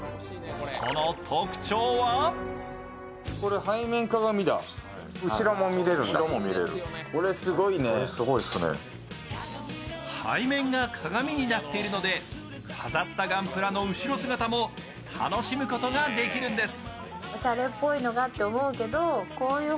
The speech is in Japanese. その特徴は背面が鏡になっているので飾ったガンプラの後ろ姿も楽しむことができるんです。